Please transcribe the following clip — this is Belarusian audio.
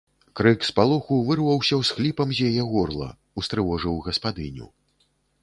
Крык спалоху вырваўся ўсхліпам з яе горла, устрывожыў гаспадыню.